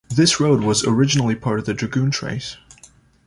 This road was originally part of the Dragoon Trace.